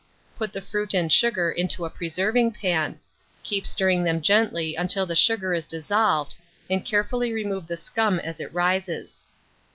Put the fruit and sugar into a preserving pan; keep stirring them gently until the sugar is dissolved, and carefully remove the scum as it rises.